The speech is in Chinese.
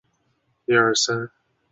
鹤见小野站鹤见线的铁路车站。